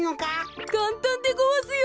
かんたんでごわすよ。